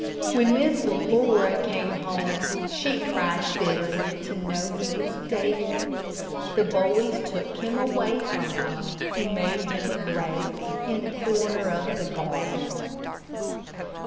When Miss Laura came home, she cried bitterly to know that he was dead. The boys took him away from her, and made him a grave in the corner of the garden.